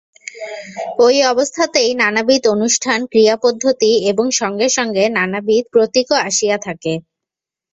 ঐ অবস্থাতেই নানবিধ অনুষ্ঠান, ক্রিয়াপদ্ধতি এবং সঙ্গে সঙ্গে নানাবিধ প্রতীকও আসিয়া থাকে।